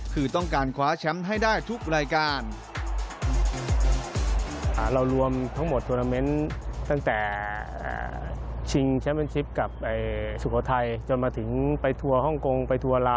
คือต้องการคว้าแชมป์ให้ได้ทุกรายการ